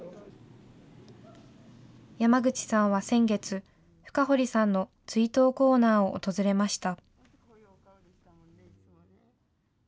山口さんは先月、深堀さんの追悼コーナーを訪れました。